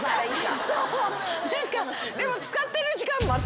でも。